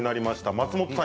松本さん